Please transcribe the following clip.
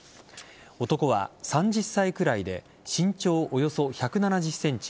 男は３０歳くらいで身長およそ１７０ｃｍ。